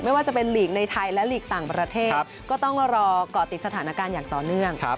ไม่ว่าจะเป็นหลีกในไทยและหลีกต่างประเทศก็ต้องรอก่อติดสถานการณ์อย่างต่อเนื่อง